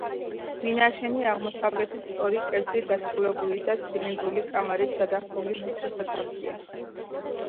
მინაშენი აღმოსავლეთით სწორი კედლით დასრულებული და ცილინდრული კამარით გადახურული ვიწრო სათავსია.